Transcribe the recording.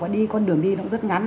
và đi con đường đi nó rất ngắn